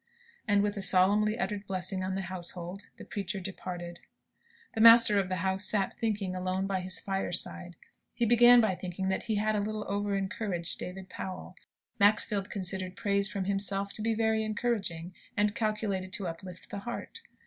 And with a solemnly uttered blessing on the household, the preacher departed. The master of the house sat thinking, alone by his fireside. He began by thinking that he had a little over encouraged David Powell. Maxfield considered praise from himself to be very encouraging, and calculated to uplift the heart.